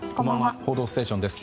「報道ステーション」です。